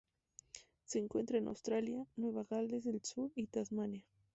Se encuentra en Australia: Nueva Gales del Sur y Tasmania.